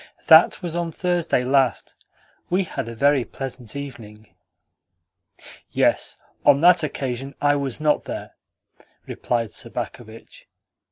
"That was on Thursday last. We had a very pleasant evening." "Yes, on that occasion I was not there," replied Sobakevitch.